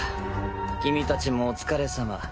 君たちもお疲れさま。